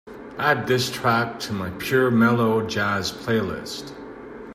add this track to my Pure Mellow Jazz playlist